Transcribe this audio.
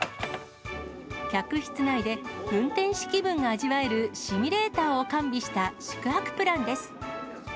客室内で運転士気分が味わえるシミュレーターを完備した宿泊プランです。